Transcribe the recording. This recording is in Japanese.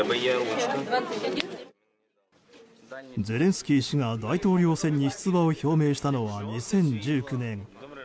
ゼレンスキー氏が大統領選に出馬を表明したのは２０１９年。